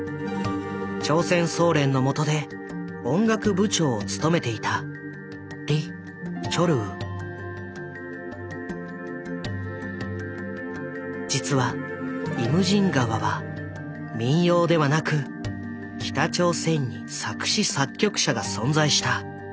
朝鮮総連のもとで音楽部長を務めていた実は「イムジン河」は民謡ではなく北朝鮮に作詞・作曲者が存在した。